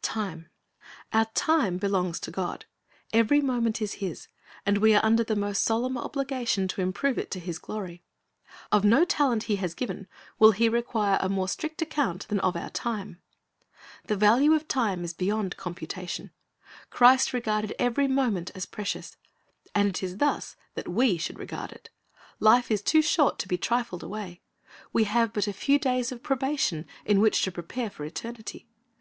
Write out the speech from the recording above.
TIME Our time belongs to God. Ev^ery moment is His, and we are under the most solemn obligation to improve it to His glory. Of no talent He has given will He require a more strict account than of our time. The value of time is beyond computation. Christ regarded every moment as precious, and it is thus that we should regard it. Life is too short to be trifled away. We have but a few days of probation in which to prepare for eternity.